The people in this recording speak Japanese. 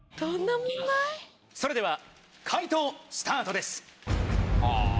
それでは解答スタートです。